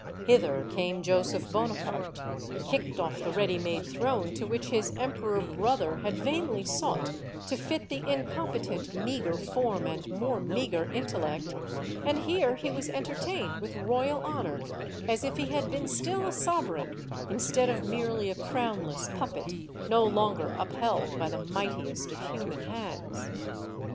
Hither came Joseph Bonaparte kicked off the ready made throne to which his emperor brother had vainly sought to fit the incompetent meager form and more meager intellect and here he was entertained with royal honor, as if he had been still a sovereign instead of merely a crownless puppet no longer upheld by the mightiest of human hands.